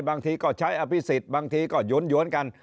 บางทีก็ใช้อภิษฎบางทีก็หยวนกัน